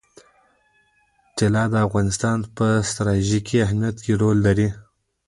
طلا د افغانستان په ستراتیژیک اهمیت کې رول لري.